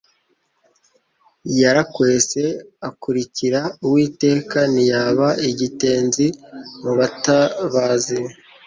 Yarakwese akurikira Uwiteka, Ntiyaba igitenzi mu batabazi,